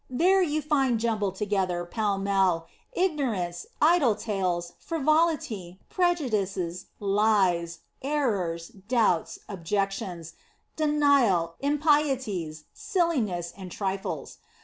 There you find jumbled together, pell mell, ignorance, idle tales, frivo lity, prejudices, lies, errors, doubts, objections, denial, impieties, silliness and trifles.